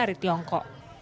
bawang dari tiongkok